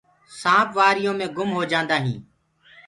سآنپ وآريو مينٚ گُم هوجآندآ هينٚ۔